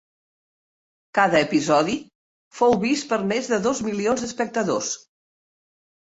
Cada episodi fou vist per més de dos milions d'espectadors.